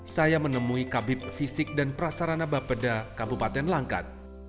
saya menemui kabupaten langkat